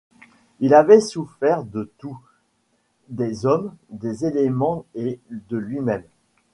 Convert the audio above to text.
Il avait souffert de tout, des hommes, des éléments et de lui-même.